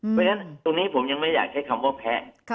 เพราะฉะนั้นตรงนี้ผมยังไม่อยากใช้คำว่าแพ้